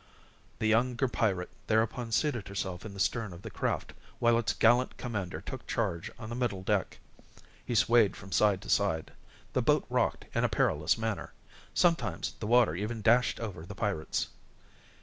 The younger pirate thereupon seated herself in the stern of the craft while its gallant commander took charge on the middle deck. He swayed from side to side. The boat rocked in a perilous manner. Sometimes the water even dashed over the pirates.